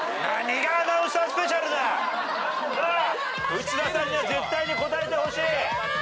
内田さんには絶対に答えてほしい。